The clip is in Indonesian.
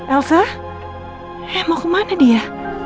elsa hek mau kemana dia